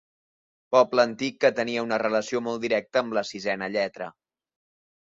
Poble antic que tenia una relació molt directa amb la sisena lletra.